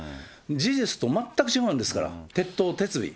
事実と全く違うんですから、徹頭徹尾。